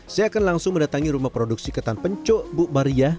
saya akan langsung mendatangi rumah produksi ketan penco bu maria